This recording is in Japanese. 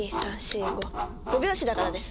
５拍子だからです。